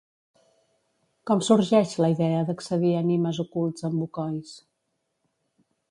Com sorgeix la idea d'accedir a Nimes ocults en bocois?